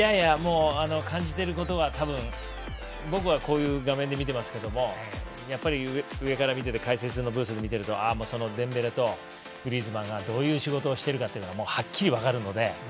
感じてることはたぶん僕はこういう画面で見てますが上から見てて解説のブースで見ててデンベレとグリーズマンがどういう仕事しているかというのはっきり分かるので。